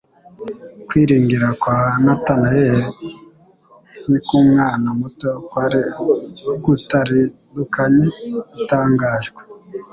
Kwiringira kwa Natanaeli nk'nk'umwana muto kwari gutaridukanye bitangajwe